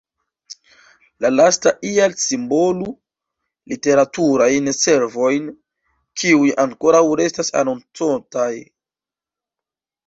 La lasta ial simbolu "literaturajn servojn", kiuj ankoraŭ restas "anoncotaj".